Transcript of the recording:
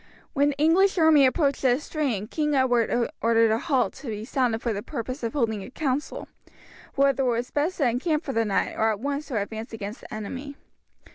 When the English army approached the stream King Edward ordered a halt to be sounded for the purpose of holding a council, whether it was best to encamp for the night or at once to advance against the enemy.